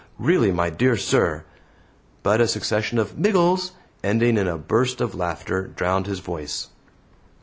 Really, my dear sir " But a succession of "Miggles," ending in a burst of laughter, drowned his voice.